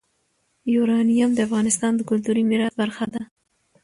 یورانیم د افغانستان د کلتوري میراث برخه ده.